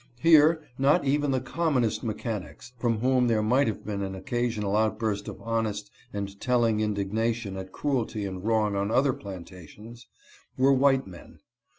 Here, not even the commonest mechanics, from whom there might have been an occasional outburst of honest and telling indignation at cruelty and wrong on other plantations, were white men.